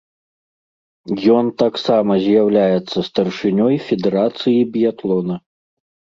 Ён таксама з'яўляецца старшынёй федэрацыі біятлона.